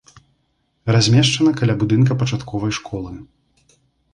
Размешчана каля будынка пачатковай школы.